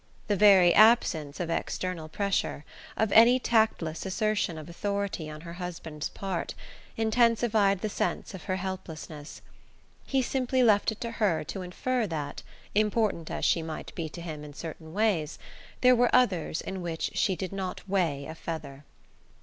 The very absence of external pressure, of any tactless assertion of authority on her husband's part, intensified the sense of her helplessness. He simply left it to her to infer that, important as she might be to him in certain ways, there were others in which she did not weigh a feather.